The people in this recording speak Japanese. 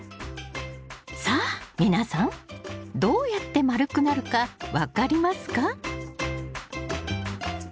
さあ皆さんどうやって丸くなるか分かりますか？